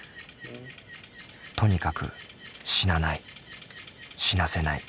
とにかく死なない死なせない。